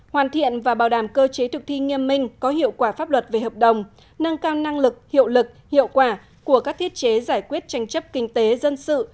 hoàn thiện và bảo đảm cơ chế thực thi nghiêm minh có hiệu quả pháp luật về hợp đồng nâng cao năng lực hiệu lực hiệu quả của các thiết chế giải quyết tranh chấp kinh tế dân sự